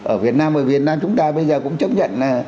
ở việt nam ở việt nam chúng ta bây giờ cũng chấp nhận